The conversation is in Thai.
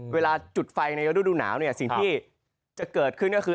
เวลาจุดไฟในฤดูหนาวเนี่ยสิ่งที่จะเกิดขึ้นก็คือ